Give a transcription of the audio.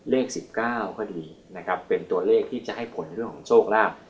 เลขสิบเก้าก็ดีนะครับเป็นตัวเลขที่จะให้ผลเรื่องของโชคลาภ